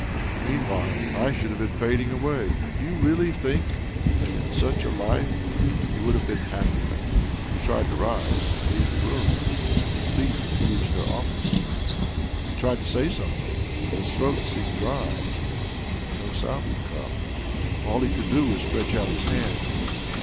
Meanwhile I should have been fading away. Do you really think that in such a life you would have been happy?" He tried to rise and leave the room, but his feet refused their office. He tried to say something, but his throat seemed dry, and no soimd would come. All he could do was to stretch out his hand.